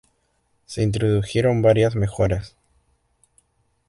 Se introdujeron varias mejoras.